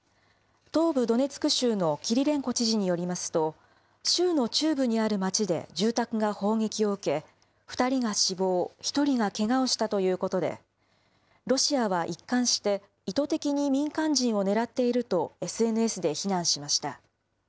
東部ドネツク州のキリレンコ知事によりますと、州の中部にある町で住宅が砲撃を受け、２人が死亡、１人がけがをしたということで、ロシアは一貫して、意図的に民間人を狙っていると、ＳＮＳで非難しました。